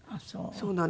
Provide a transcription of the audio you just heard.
そうなんです。